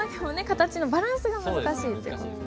形のバランスが難しいですよ。